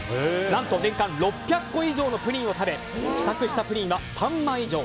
何と年間６００個以上のプリンを食べ試作したプリンは３万以上。